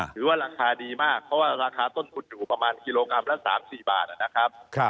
ถือว่าราคาดีมากเพราะว่าราคาต้นทุนอยู่ประมาณกิโลกรัมละ๓๔บาทนะครับ